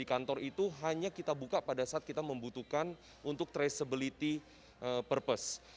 di kantor itu hanya kita buka pada saat kita membutuhkan untuk traceability purpose